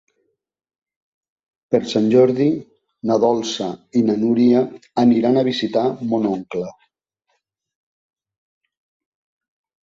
Per Sant Jordi na Dolça i na Núria aniran a visitar mon oncle.